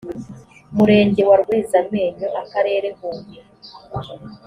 murenge wa rwezamenyo akarere huye